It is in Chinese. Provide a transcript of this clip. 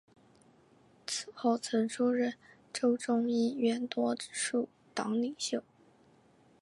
此后曾出任州众议院多数党领袖。